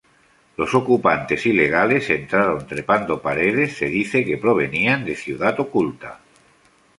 Los ocupantes ilegales entraron trepando paredes, se dice que provenían de Ciudad Oculta.